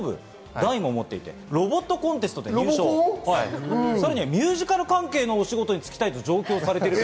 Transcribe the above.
段も持っていて、ロボットコンテストでも入賞されていてミュージカル関係の仕事に就きたいと上京もされていると。